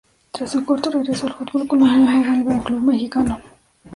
Tras su corto regreso al fútbol colombiano vuelve al club mexicano.